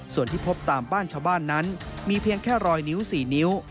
ส่วนที่พบตามบ้านชาวบ้านนั้นมีเพียงแค่รอยนิ้ว๔นิ้ว